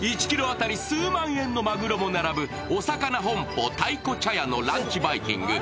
１ｋｇ当たり数万円のまぐろも並ぶおさかな本舗たいこ茶屋のランチバイキング。